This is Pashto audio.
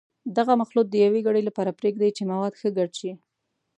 دغه مخلوط د یوې ګړۍ لپاره پرېږدئ چې مواد ښه ګډ شي.